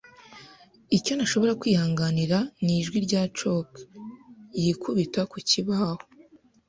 Icyo ntashobora kwihanganira nijwi rya chalk yikubita ku kibaho.